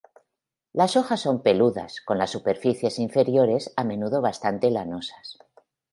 Las hojas son peludas, con las superficies inferiores a menudo bastante lanosas.